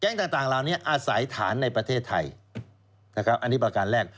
ต่างเหล่านี้อาศัยฐานในประเทศไทยนะครับอันนี้ประการแรก